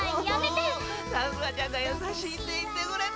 さくらちゃんがやさしいって言ってくれた。